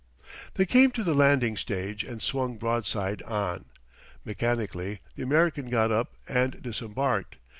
They came to the landing stage and swung broad side on. Mechanically the American got up and disembarked.